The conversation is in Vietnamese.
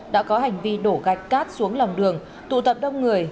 đã có hành vi đổ gạch cát xuống lòng đường tụ tập đông người